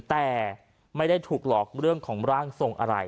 แต่ไม่ได้ถูกหลอกเรื่องของร่างทรงอะไร